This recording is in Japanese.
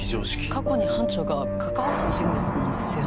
過去に班長が関わった人物なんですよね。